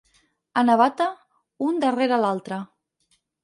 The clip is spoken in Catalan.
A Navata, un darrere l'altre.